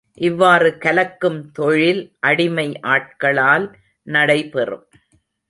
இவ்வாறு கலக்கும் தொழில் அடிமை ஆட்களால் நடைபெறும்.